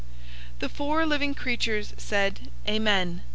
"}" 005:014 The four living creatures said, "Amen!"